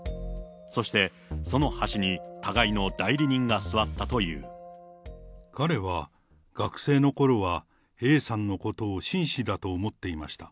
そして、その端に互いの代理人が彼は、学生のころはＡさんのことを紳士だと思っていました。